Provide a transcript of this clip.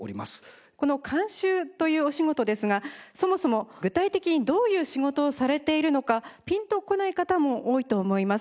この監修というお仕事ですがそもそも具体的にどういう仕事をされているのかピンとこない方も多いと思います。